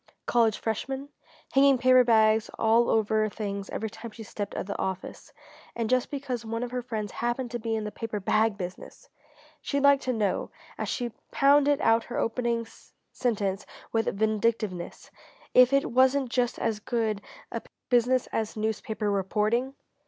College freshmen? Hanging paper bags all over her things every time she stepped out of the office and just because one of her friends happened to be in the paper bag business! She'd like to know as she pounded out her opening sentence with vindictiveness if it wasn't just as good a business as newspaper reporting?